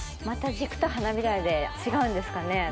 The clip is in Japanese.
また軸とはなびらで違うんですかね